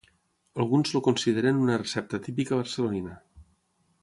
Alguns el consideren una recepta típica barcelonina.